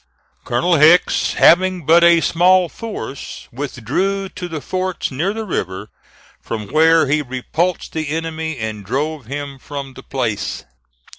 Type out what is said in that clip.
Colonel H., having but a small force, withdrew to the forts near the river, from where he repulsed the enemy and drove him from the place.